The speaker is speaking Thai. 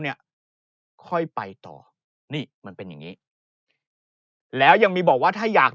เนี่ยค่อยไปต่อนี่มันเป็นอย่างงี้แล้วยังมีบอกว่าถ้าอยาก